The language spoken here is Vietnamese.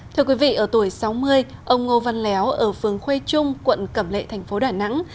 thưa quý vị ở tuổi sáu mươi ông ngô văn léo ở phường khuê trung quận cẩm lệ thành phố đà nẵng